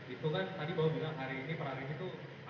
itu kan tadi pak bilang hari ini per hari ini tuh